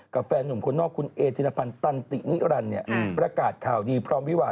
แฟนหนุ่มคนนอกคุณเอธิรพันธ์ตันตินิรันดิ์ประกาศข่าวดีพร้อมวิวา